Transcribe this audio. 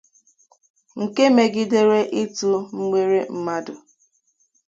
nke megidere itụ mgbere mmadụ